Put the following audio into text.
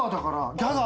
ギャガー？